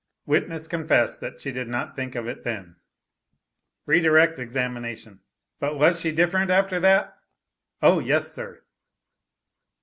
Witness confessed that she did not think of it then. Re Direct examination. "But she was different after that?" "O, yes, sir."